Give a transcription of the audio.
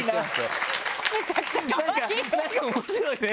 なんか面白いね